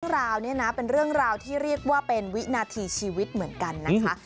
ราวเนี่ยนะเป็นเรื่องราวที่เรียกว่าเป็นวินาทีชีวิตเหมือนกันนะคะ